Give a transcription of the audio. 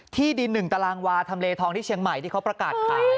ที่ดิน๑ตารางวาทำเลทองที่เชียงใหม่ที่เขาประกาศขาย